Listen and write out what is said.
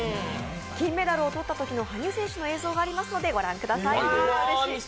金メダルを取ったときに羽生選手の映像がありますので御覧ください。